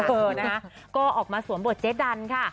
เออนะคะก็ออกมาสวมบทเจ๊ดันค่ะ